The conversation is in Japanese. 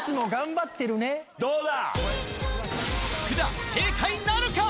どうだ？